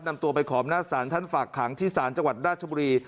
นำตัวไปขอบหน้าศาลท่านฝากขังที่ศาลจังหวัดราชบุรี